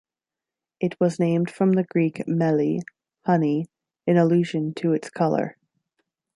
It was named from the Greek "meli" "honey", in allusion to its color.